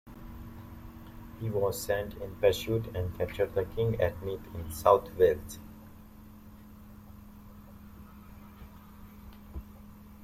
He was sent in pursuit and captured the king at Neath in South Wales.